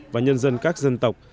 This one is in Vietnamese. và nhân dân các dân tộc